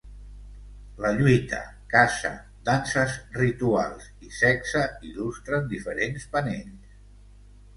La lluita, caça, danses rituals i sexe il·lustren diferents panells.